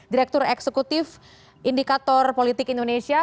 direktur eksekutif indikator politik indonesia